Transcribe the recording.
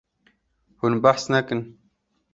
Hûn behs nakin.